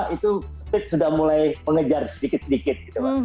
itu speech sudah mulai mengejar sedikit sedikit